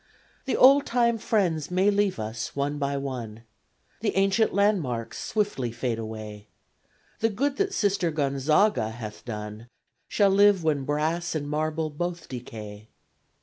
The old time friends may leave us, one by one, The ancient landmarks swiftly fade away The good that Sister Gonzaga hath done Shall live when brass and marble both decay!